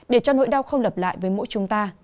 để cho nỗi đau không lặp lại với mỗi chúng ta